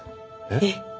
えっ？